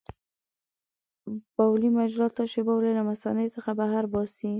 بولي مجرا تشې بولې له مثانې څخه بهر باسي.